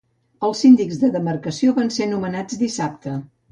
Els síndics de demarcació van ser nomenats dissabte.